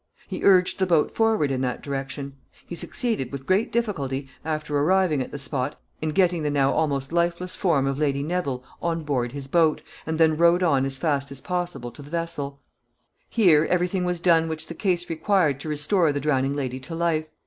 He urged the boat forward in that direction. He succeeded, with great difficulty, after arriving at the spot, in getting the now almost lifeless form of Lady Neville on board his boat, and then rowed on as fast as possible to the vessel. [Sidenote: Received on board a vessel.] [Sidenote: Her determination.] Here every thing was done which the case required to restore the drowning lady to life.